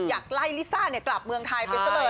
อยากไล่ลิซ่าเนี่ยกลับเมืองไทยไปกันเลย